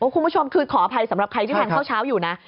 คุณผู้ชมคือขออภัยสำหรับใครที่ทานข้าวเช้าอยู่นะ